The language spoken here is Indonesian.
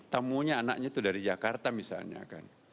tamunya anaknya itu dari jakarta misalnya kan